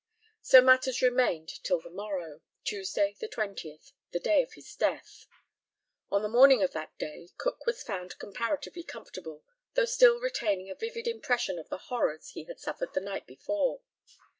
So matters remained till the morrow, Tuesday the 20th, the day of his death. On the morning of that day, Cook was found comparatively comfortable, though still retaining a vivid impression of the horrors he had suffered the night before.